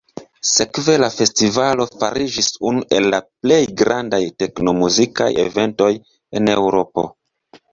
Sekve la festivalo fariĝis unu el la plej grandaj tekno-muzikaj eventoj en Eŭropo.